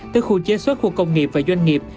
tới khu chế xuất khu công nghiệp và doanh nghiệp